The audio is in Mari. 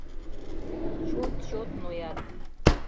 Чот-чот ноят.